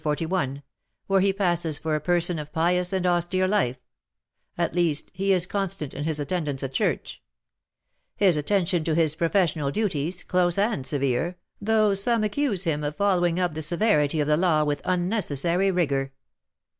41, where he passes for a person of pious and austere life; at least, he is constant in his attendance at church, his attention to his professional duties, close and severe, though some accuse him of following up the severity of the law with unnecessary rigour.